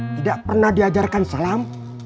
tidak pernah diajarkan salam